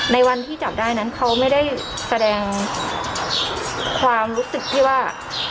ในวันที่จับได้นั้นเขาไม่ได้แสดงความรู้สึกที่ว่า